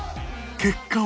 結果は？